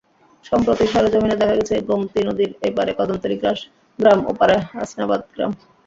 সম্প্রতি সরেজমিনে দেখা গেছে, গোমতী নদীর এপারে কদমতলী গ্রাম, ওপারে হাসনাবাদ গ্রাম।